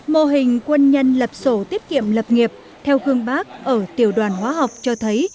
mô hình quân nhân lập sổ tiết kiệm lập nghiệp theo gương bác ở tiểu đoàn hóa học cho thấy